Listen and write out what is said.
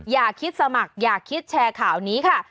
อย่าคิดสมัครอย่าคิดแชร์ข่าวนี้ค่ะ